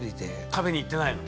食べに行ってないの？